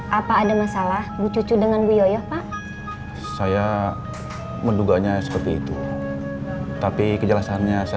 hai apa ada masalah bu cucu dengan gue pak saya menduganya seperti itu tapi kejelasannya saya